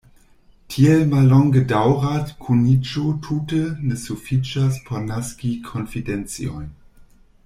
Tiel mallongedaŭra kuniĝo tute ne sufiĉas por naski konfidenciojn.